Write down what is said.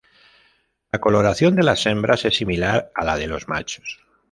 La coloración de las hembras es similar a la de los machos.